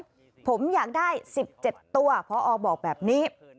ได้ไหมผมอยากได้สิบเจ็ดตัวพอออกบอกแบบนี้